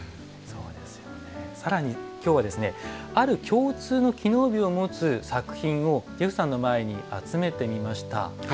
さらに、きょうはある共通の機能美を持つ作品をジェフさんの前に集めてみました。